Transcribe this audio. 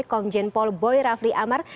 komjen paul boy rafri amar